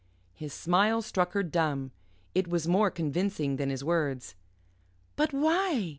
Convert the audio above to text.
His smile struck her dumb. It was more convincing than his words. "But why?"